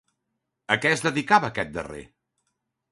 A què es dedicava aquest darrer?